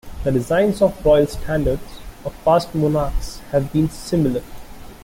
The designs of royal standards of past monarchs have been similar.